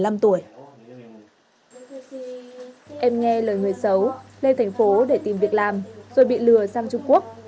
em nghe lời người xấu lên thành phố để tìm việc làm rồi bị lừa sang trung quốc